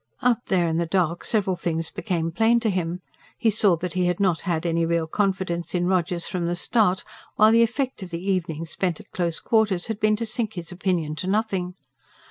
Out there in the dark, several things became plain to him. He saw that he had not had any real confidence in Rogers from the start; while the effect of the evening spent at close quarters had been to sink his opinion to nothing.